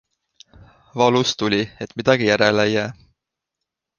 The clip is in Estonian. Valus tuli, et midagi järele ei jää.